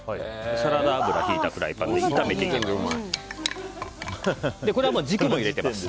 サラダ油をひいたフライパンで炒めていきます。